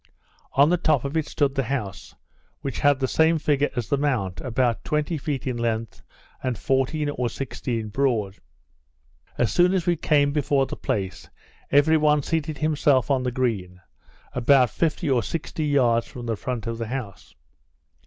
On the top of it stood the house, which had the same figure as the mount, about twenty feet in length, and fourteen or sixteen broad. As soon as we came before the place, every one seated himself on the green, about fifty or sixty yards from the front of the house.